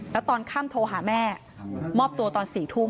แล้วตอนค่ำโทรหาแม่มอบตัวตอน๔ทุ่ม